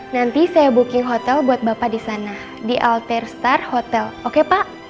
nanti saya booking hotel buat bapak disana altair star hotel oke pak